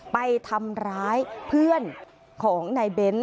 ไปทำร้ายเพื่อนของนายเบ้น